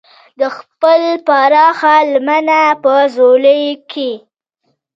د خپلې پراخې لمن په ځولۍ کې.